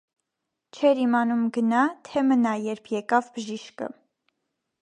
չէր իմանում գնա, թե մնա, երբ եկավ բժիշկը: